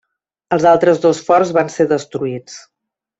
Els altres dos forts van ser destruïts.